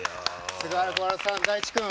菅原小春さん大知くん